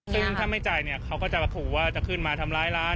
ซึ่งถ้าไม่จ่ายเนี่ยเขาก็จะมาขู่ว่าจะขึ้นมาทำร้ายร้าน